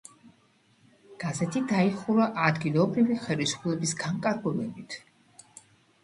გაზეთი დაიხურა ადგილობრივი ხელისუფლების განკარგულებით.